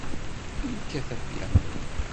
Yekkat apyanu?